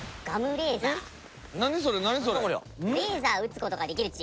レーザーを撃つことができるッチ。